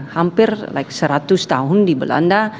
hampir seratus tahun di belanda